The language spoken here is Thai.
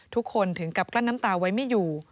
ทุกคนถึงกับกลั้นน้ำตาไว้ไม่อยู่